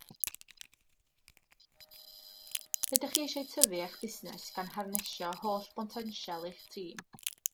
Ydych chi eisiau tyfu eich busnes gan harneisio holl botensial eich tîm?